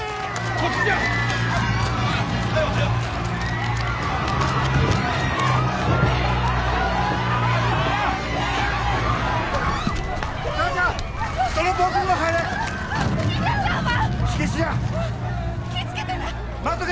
こっちか！